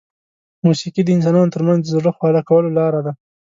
موسیقي د انسانانو ترمنځ د زړه خواله کولو لاره ده.